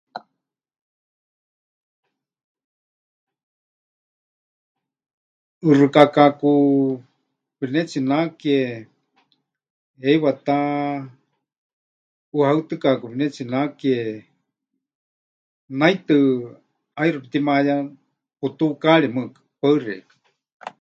ʼUxɨkakaku pɨnetsinake heiwa ta ʼuhaɨtɨkaku pɨnetsinake, naitɨ ʼaixɨ pɨtimayá, pɨtukaari mɨɨkɨ. Paɨ xeikɨ́a.